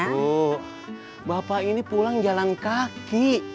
ibu bapak ini pulang jalan kaki